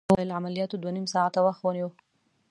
هغې راته وویل: عملياتو دوه نيم ساعته وخت ونیو.